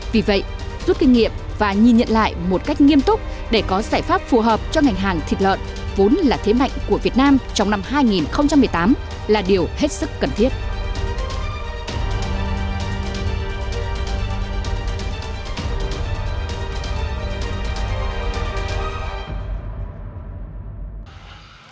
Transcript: vì vậy rút kinh nghiệm và nhìn nhận lại một cách nghiêm túc để có giải pháp phù hợp cho ngành hàng thịt lợn vốn là thế mạnh của việt nam trong năm hai nghìn một mươi tám là điều hết sức cần thiết